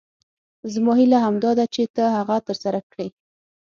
زما هیله همدا ده چې ته هغه تر سره کړې.